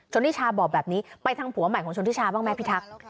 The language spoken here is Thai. นิชาบอกแบบนี้ไปทางผัวใหม่ของชนทิชาบ้างไหมพิทักษ